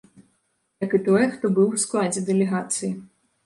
Як і тое, хто быў у складзе дэлегацыі.